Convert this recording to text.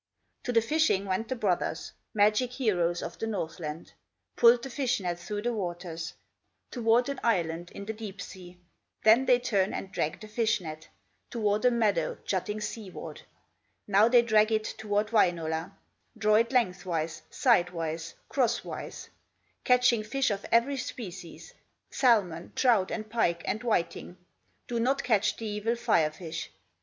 To the fishing went the brothers, Magic heroes of the Northland, Pulled the fish net through the waters, Toward an island in the deep sea; Then they turn and drag the fish net Toward a meadow jutting seaward; Now they drag it toward Wainola, Draw it lengthwise, sidewise, crosswise, Catching fish of every species, Salmon, trout, and pike, and whiting, Do not catch the evil Fire fish.